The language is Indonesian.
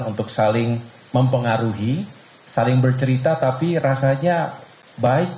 untuk saling mempengaruhi saling bercerita tapi rasanya baik